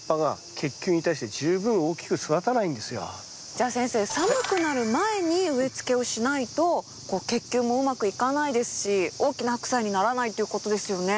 じゃあ先生寒くなる前に植え付けをしないとこう結球もうまくいかないですし大きなハクサイにならないということですよね。